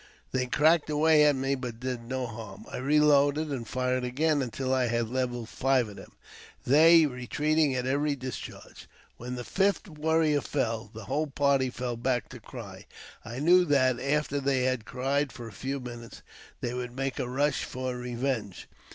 They cracked away at me, but did no harm. I reloaded, and fired again, until I had levelled five of them, they retreating a^ j every discharge. "When the fifth warrior fell, the whole parfll fell back to cry. I knew that, after they had cried for a few • minutes, they would make a rush for revenge.